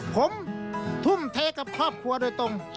ผมทุ่มเทกับครอบครัวโดยตรง